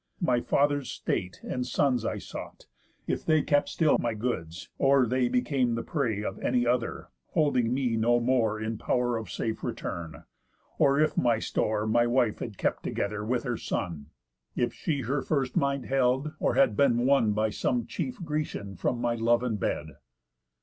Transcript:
My father's state and sons I sought, if they Kept still my goods? Or they became the prey Of any other, holding me no more In pow'r of safe return? Or if my store My wife had kept together with her son? If she her first mind held, or had been won By some chief Grecian from my love and bed?